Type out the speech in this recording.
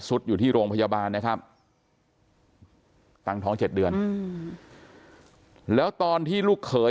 อยู่ที่โรงพยาบาลนะครับตั้งท้อง๗เดือนแล้วตอนที่ลูกเขย